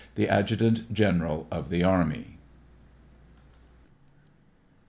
The Adjutant General of the Army.